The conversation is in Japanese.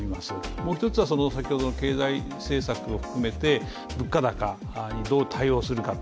もう１つは、先ほどの経済政策を含めて物価高にどう対応するか。